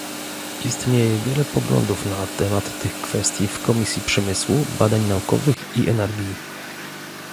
Istnieje wiele poglądów na temat tych kwestii w Komisji Przemysłu, Badań Naukowych i Energii